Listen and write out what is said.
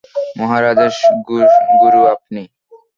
মহারাজ, গুরু আপনি।